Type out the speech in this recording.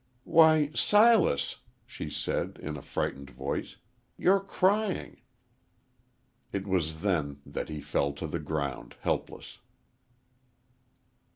"Why, Silas," she said, in a frightened voice, "you're crying." It was then that he fell to the ground helpless.